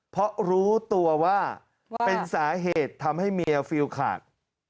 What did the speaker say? เพราะรู้ตัวว่าเป็นสาเหตุทำให้เมียฟิลขาด